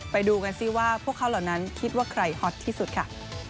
ไปดูกันซิว่าพวกเขาเหล่านั้นคิดว่าใครฮอตที่สุดค่ะ